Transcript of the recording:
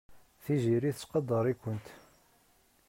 Tiziri tettqadar-ikent.